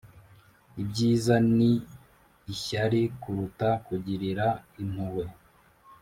ibyiza ni ishyari kuruta kugirira impuhwe